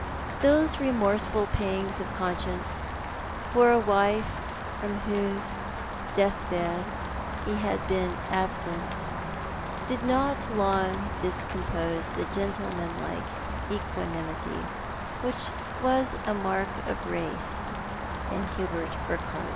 6o Thoit art the Man. Those remorseful pangs of conscience, for a wife from whose death bed he had been absent, did not long discompose the gentlemanlike equanimity which was a mark of race in Hubert Urquhart.